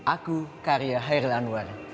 aku karya hairi anwar